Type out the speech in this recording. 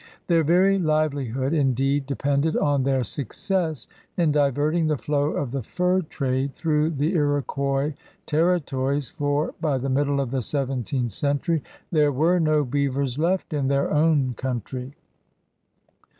Their very livelihood, indeed, depended on their success in diverting the flow of the fur trade through the Iroquois territories, for by the middle of the seventeenth century there were no beavers left in their own country.